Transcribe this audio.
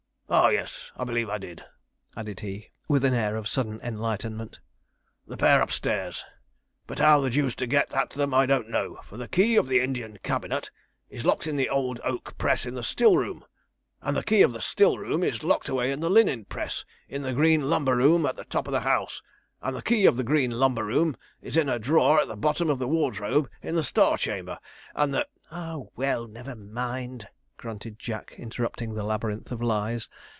Ah yes, I believe I did,' added he, with an air of sudden enlightenment 'the pair upstairs; but how the deuce to get at them I don't know, for the key of the Indian cabinet is locked in the old oak press in the still room, and the key of the still room is locked away in the linen press in the green lumber room at the top of the house, and the key of the green lumber room is in a drawer at the bottom of the wardrobe in the Star Chamber, and the ' 'Ah, well; never mind,' grunted Jack, interrupting the labyrinth of lies.